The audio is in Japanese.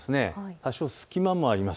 多少、隙間もあります。